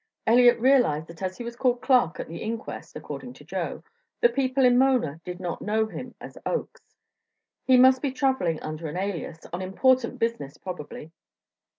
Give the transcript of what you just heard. Elliott realized that as he was called Clark at the inquest according to Joe the people in Mona did not know him as Oakes; he must be travelling under an alias, on important business probably.